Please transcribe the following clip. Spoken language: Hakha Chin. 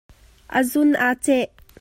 A zun aa ceh.